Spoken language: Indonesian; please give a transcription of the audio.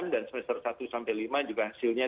dan semester satu sampai lima juga hasilnya